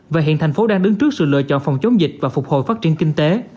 và hiện thành phố đang đứng trước sự lựa chọn phòng chống dịch và phục hồi phát triển kinh tế